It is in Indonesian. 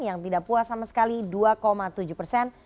yang tidak puas sama sekali dua tujuh persen